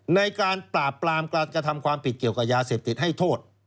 ในการปราบปรามการกระทำความผิดเกี่ยวกับยาเสพติดให้โทษ